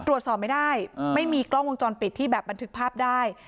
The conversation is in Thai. ตรวจสอบไม่ได้ไม่มีกล้องวงจรปิดที่แบบบันทึกภาพได้